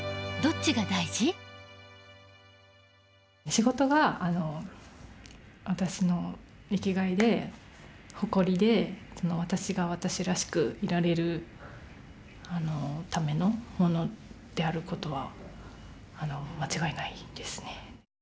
仕事が私の生きがいで誇りで私が私らしくいられるためのものである事は間違いないですね。